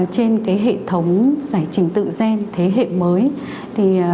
trên hệ thống giải trình tự gen thế hệ mới